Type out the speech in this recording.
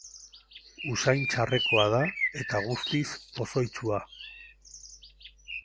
Usain txarrekoa da, eta guztiz pozoitsua.